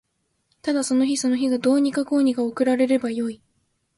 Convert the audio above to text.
ただその日その日がどうにかこうにか送られればよい